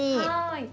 はい。